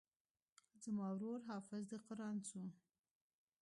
زما ورور حافظ د قران سو.